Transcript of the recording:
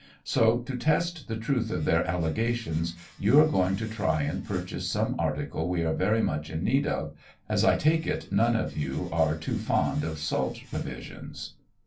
So to test the truth of their allega tions, you are going to try and purchase some article we are very much in need of, as I take it none of you are too fond of salt provisions."